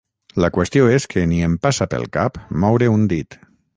La qüestió és que ni em passa pel cap moure un dit.